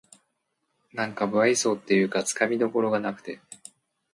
なんか無愛想っていうかつかみどころがなくて